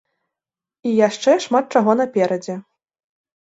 І яшчэ шмат чаго наперадзе.